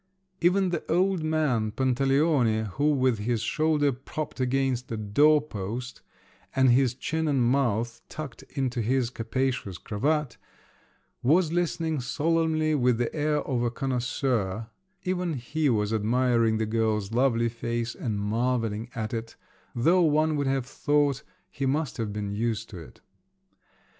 Even the old man, Pantaleone, who with his shoulder propped against the doorpost, and his chin and mouth tucked into his capacious cravat, was listening solemnly with the air of a connoisseur—even he was admiring the girl's lovely face and marvelling at it, though one would have thought he must have been used to it!